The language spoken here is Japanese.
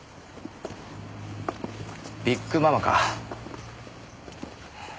ビッグママか。